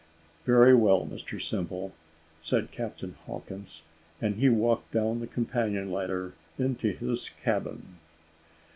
"Very well, Mr Simple," said Captain Hawkins and he walked down the companion ladder into his cabin.